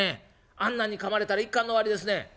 あんなんにかまれたら一巻の終わりですね」。